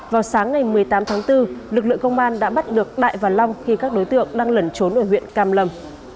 vào sáng ngày một mươi tám tháng bốn lực lượng công an đã bắt được đại và long khi các đối tượng đang lẩn trốn ở huyện cam lâm